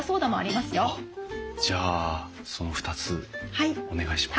じゃあその２つお願いします。